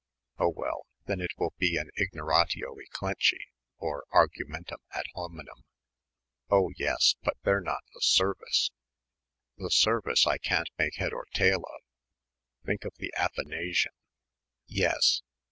"Oh, well, then it will be ignoratio elenchi or argumentum ad hominem " "Oh, yes, but they're not the service." "The service I can't make head or tail of think of the Athanasian." "Yes."